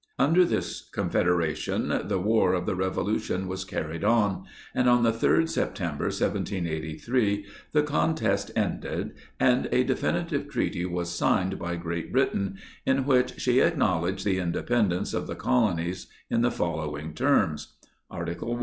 Under this Confederation the War of the Revolution was carried on, and on the 3d September, 1783, the contest ended, and a definitive Treaty was signed by Great Britain, in which she acknowledged the Independence of the Colo nies in the following terms : 6 "Article 1.